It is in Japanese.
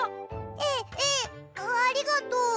えっえっありがとう。